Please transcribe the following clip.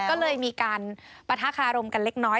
ก็เลยมีการปะทะคารมกันเล็กน้อย